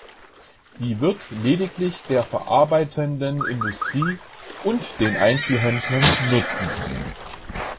Sie wird lediglich der verarbeitenden Industrie und den Einzelhändlern nutzen.